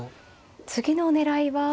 次の狙いは。